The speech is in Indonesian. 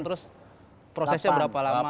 terus prosesnya berapa lama